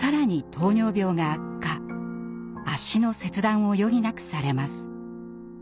脚の切断を余儀なくされます。